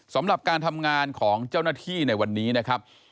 สำหรับการทำงานของเจ้าหน้าที่ในวันนี้นะครับ